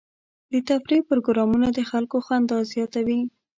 د تفریح پروګرامونه د خلکو خندا زیاتوي.